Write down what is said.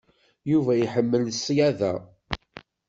Yuba iḥemmel ṣyada.